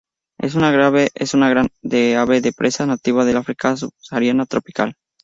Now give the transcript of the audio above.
Es un gran ave de presa nativa del África subsahariana tropical.